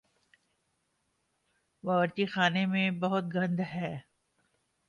باورچی خانے میں بہت گند ہے